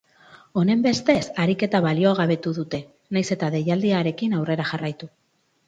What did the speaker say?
Honenbestez, ariketa baliogabetu dute, nahiz eta deialdiarekin aurrera jarraitu.